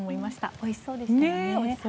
おいしそうでしたね。